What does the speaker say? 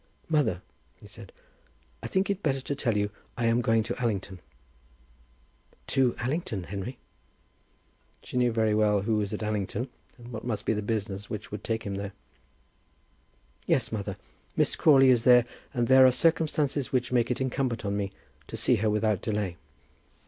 "Mother," he said, "I think it better to tell you that I am going to Allington." "To Allington, Henry?" She knew very well who was at Allington, and what must be the business which would take him there. "Yes, mother. Miss Crawley is there, and there are circumstances which make it incumbent on me to see her without delay."